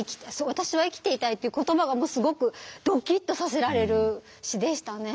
私は生きていたいっていう言葉がすごくドキッとさせられる詩でしたね。